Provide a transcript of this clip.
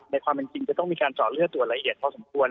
ในความจริงจะต้องมีการสอดเลือดตัวละเอียดพอสมควร